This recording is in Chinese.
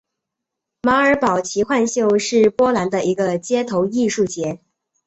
马尔堡奇幻秀是波兰的一个街头艺术节。